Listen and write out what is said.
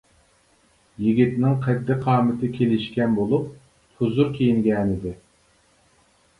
يىگىتنىڭ قەددى-قامىتى كېلىشكەن بولۇپ، پۇزۇر كىيىنگەنىدى.